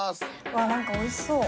わっ何かおいしそう。